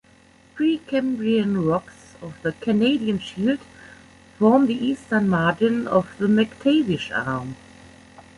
Precambrian rocks of the Canadian Shield form the eastern margin of the McTavish Arm.